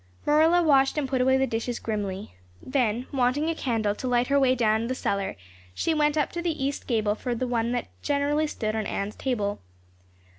Marilla washed and put away the dishes grimly. Then, wanting a candle to light her way down the cellar, she went up to the east gable for the one that generally stood on Anne's table.